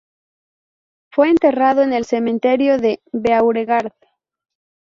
Fue enterrado en el Cementerio de Beauregard.